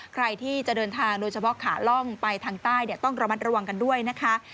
ใครที่จะเดินทางโดยเฉพาะขาล่องไปทางใต้ต้องระมัดระวังกันด้วยนะคะ